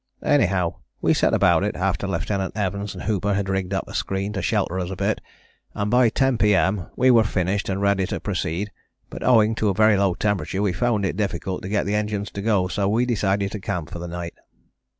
Anyhow we set about it after Lieutenant Evans and Hooper had rigged up a screen to shelter us a bit, and by 10 P.M. we were finished and ready to proceed, but owing to a very low temperature we found it difficult to get the engines to go, so we decided to camp for the night.